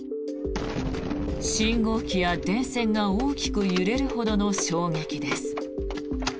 信号機や電線が大きく揺れるほどの衝撃です。